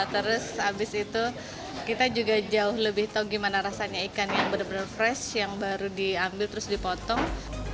terus habis itu kita juga jauh lebih tahu gimana rasanya ikan yang benar benar fresh yang baru diambil terus dipotong